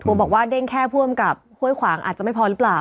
ทัวร์บอกว่าเด้งแค่พุมกับหุ้ยขวางอาจจะไม่พอหรือเปล่า